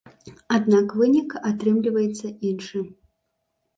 Аднак вынік атрымліваецца іншы.